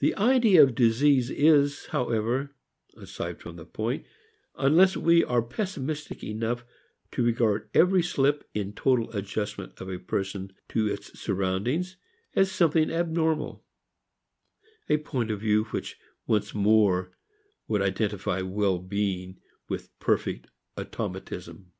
The idea of disease is, however, aside from the point, unless we are pessimistic enough to regard every slip in total adjustment of a person to its surroundings as something abnormal a point of view which once more would identify well being with perfect automatism.